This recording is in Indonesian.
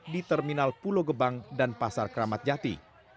di terminal pulau gebang dan pasar keramat jati